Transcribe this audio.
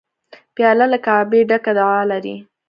پیاله له کعبې ډکه دعا لري.